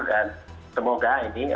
dan semoga berhasil